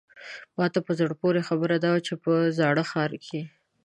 ماته په زړه پورې خبره دا وه چې په زاړه ښار کې.